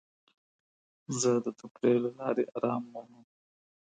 زه د تفریح له لارې ارام مومم.